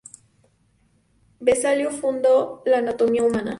Vesalio fundó la anatomía humana.